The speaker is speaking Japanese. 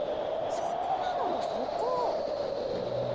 そこなのよそこ！